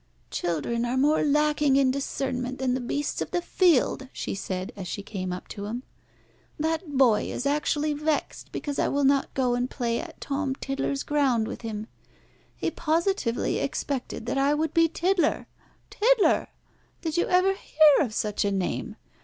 "Children are more lacking in discernment than the beasts of the field," she said, as she came up to him. "That boy is actually vexed because I will not go and play at Tom Tiddler's Ground with him. He positively expected that I would be Tiddler! Tiddler! Did you ever hear of such a name?